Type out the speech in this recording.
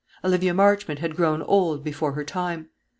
Olivia Marchmont had grown old before her time.